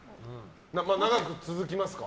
長く続きますか？